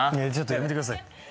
やめてください！